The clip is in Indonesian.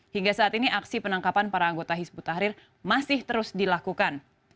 hingga saat ini aksi penangkapan para anggota hizbut tahrir masih terus dilakukan